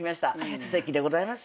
すてきでございますよ。